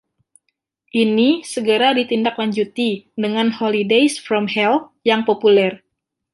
Ini segera ditindaklanjuti dengan "Holidays from Hell" yang populer.